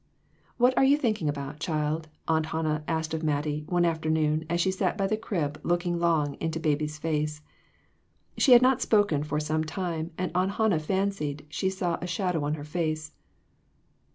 "What are you thinking about, child?" Aunt Hannah asked of Mattie, one afternoon as she sat by the crib, looking long into baby's face. She had not spoken for some time, and Aunt Hannah fancied she saw a shadow on her face.